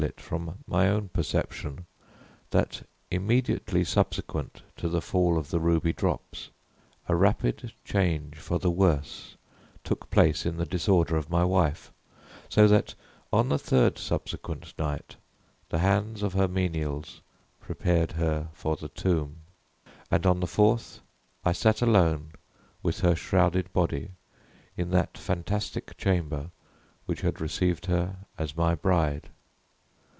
] it from my own perception that, immediately subsequent to the fall of the ruby drops, a rapid change for the worse took place in the disorder of my wife; so that, on the third subsequent night, the hands of her menials prepared her for the tomb, and on the fourth, I sat alone, with her shrouded body, in that fantastic chamber which had received her as my bride.